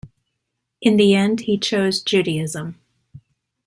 In the end, he chose Judaism.